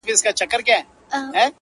دادی بیا نمک پاسي ده. پر زخمونو د ځپلو.